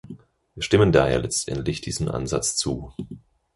Wir stimmen daher letztendlich diesem Ansatz zu.